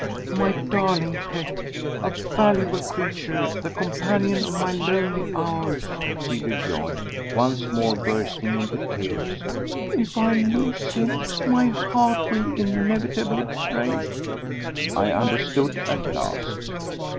"My darling pet, a valuable creature, the companion of my lonely hours," she rejoined, once more bursting into tears. "If I lose him, my heart will inevitably break." I understood at last.